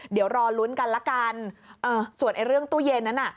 เดี๋ยวรอลุ้นกันละกันส่วนไอ้เรื่องตู้เย็นนั้นน่ะ